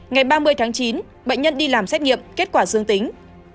ngày ba mươi tháng chín bệnh nhân đi làm xét nghiệm kết quả dương tính